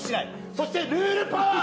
そしてルールパワー。